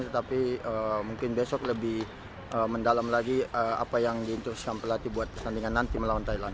tetapi mungkin besok lebih mendalam lagi apa yang diintuskan pelatih buat pertandingan nanti melawan thailand